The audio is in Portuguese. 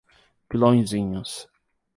Pilõezinhos